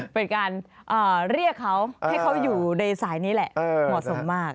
เป็นการเรียกเขาให้เขาอยู่ในสายนี้แหละเหมาะสมมาก